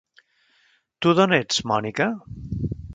Tu d'on ets, Mònica?